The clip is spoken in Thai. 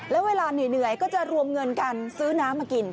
แล้วเวลาเหนื่อยก็จะรวมเงินกันซื้อน้ำมากิน